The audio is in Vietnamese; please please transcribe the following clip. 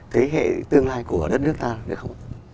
thế hệ tương lai của đất nước ta hay không